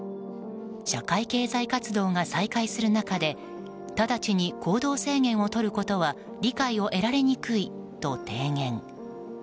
社会経済活動が再開する中でただちに行動制限を取ることは理解を得られにくいと提言。